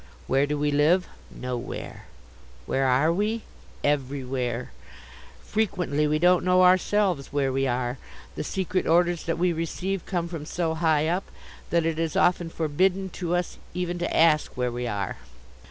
Where do we live? Nowhere. Where are we? Everywhere. Frequently we don't know ourselves where we are. The secret orders that we receive come from so high up that it is often forbidden to us even to ask where we are.